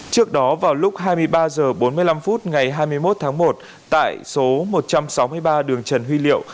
trước đó vào lúc hai mươi ba h bốn mươi năm ngày hai mươi một tháng một tại số một trăm sáu mươi ba đường trần huy liệu